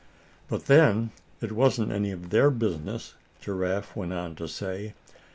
"But then, it wasn't any of their business," Giraffe went on to say.